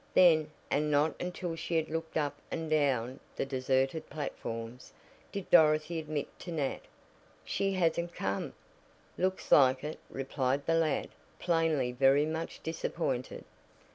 Then, and not until she had looked up and down the deserted platforms, did Dorothy admit to Nat: "She hasn't come!" "Looks like it," replied the lad, plainly very much disappointed.